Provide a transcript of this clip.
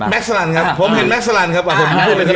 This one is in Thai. พี่แม็กซาลันครับผมเห็นแม็กซาลันครับ